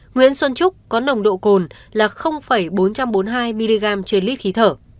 nguyễn xuân trúc có nồng độ cồn là bốn trăm bốn mươi hai mg trên lít khí thở